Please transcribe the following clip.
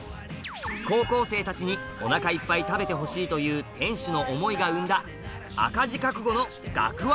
高校生たちにおなかいっぱい食べてほしいという店主の思いが生んだ赤字覚悟の学割